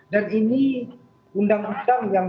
dan ini undang undang yang